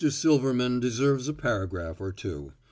Silverman deserves a paragraph or two.